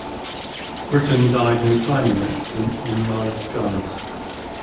Britton died in a climbing accident on the Isle of Skye.